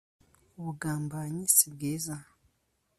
Ubugambanyi si bwiza